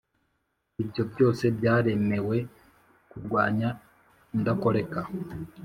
Ibyo byose byaremewe kurwanya indakoreka,